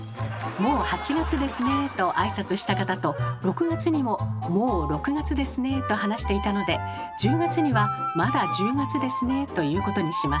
「もう８月ですね」と挨拶した方と６月にも「もう６月ですね」と話していたので１０月には「まだ１０月ですね」と言うことにします。